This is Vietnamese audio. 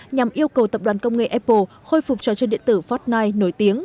nhằm yêu cầu tập đoàn công nghệ apple khôi phục trò chơi điện tử fortnite nổi tiếng